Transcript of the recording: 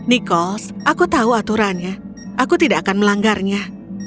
may nichols aku tahu aturannya aku tidak akan melanggarnya